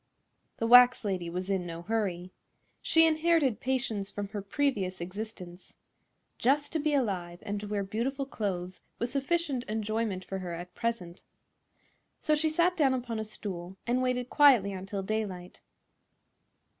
The wax lady was in no hurry. She inherited patience from her previous existence. Just to be alive and to wear beautiful clothes was sufficient enjoyment for her at present. So she sat down upon a stool and waited quietly until daylight.